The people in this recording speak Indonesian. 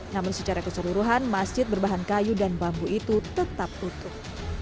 namun secara keseluruhan masjid berbahan kayu dan bambu itu tetap utuh